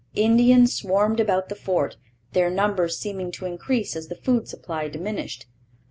Indians swarmed about the fort, their numbers seeming to increase as the food supply diminished.